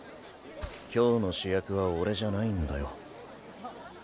今日の主役は俺じゃないんだよ。